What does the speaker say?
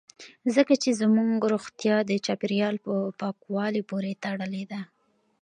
ځکه چې زموږ روغتیا د چاپیریال په پاکوالي پورې تړلې ده